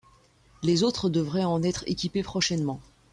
Les autres devraient en être équipés prochainement.